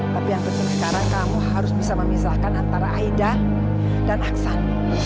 tapi yang penting sekarang kamu harus bisa memisahkan antara aida dan aksan